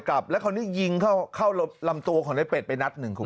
กลับแล้วคราวนี้ยิงเข้าลำตัวของในเป็ดไปนัดหนึ่งคุณ